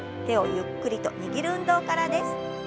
手をゆっくりと握る運動からです。